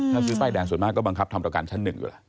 ถ้าซื้อป้ายแดงส่วนมากก็บังคับทำประกันชั้นหนึ่งอยู่แล้ว